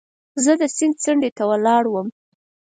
زه د سیند څنډې ته ولاړ وم.